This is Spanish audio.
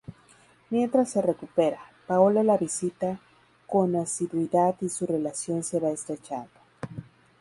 Mientras se recupera, Paolo la visita con asiduidad y su relación se va estrechando.